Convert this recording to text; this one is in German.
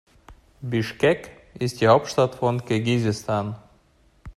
Bischkek ist die Hauptstadt von Kirgisistan.